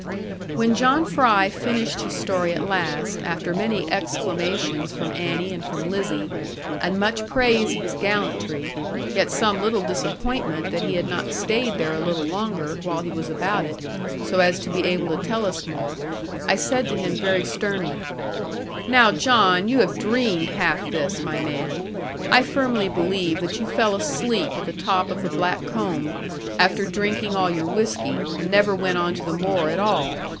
When John Fry finished his story at last, after many exclamations from Annie, and from Lizzie, and much praise of his gallantry, yet some little disappointment that he had not stayed there a little longer, while he was about it, so as to be able to tell us more, I said to him very sternly, 'Now, John, you have dreamed half this, my man. I firmly believe that you fell asleep at the top of the black combe, after drinking all your whisky, and never went on the moor at all.